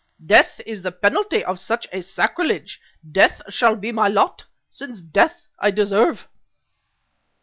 Death is the penalty of such a sacrilege; death shall be my lot, since death I deserve."